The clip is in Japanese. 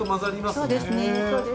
そうですね